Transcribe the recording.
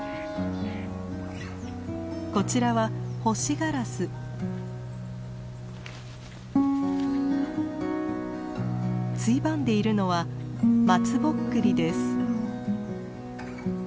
こちらはついばんでいるのは松ぼっくりです。